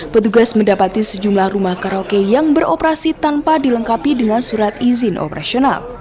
petugas mendapati sejumlah rumah karaoke yang beroperasi tanpa dilengkapi dengan surat izin operasional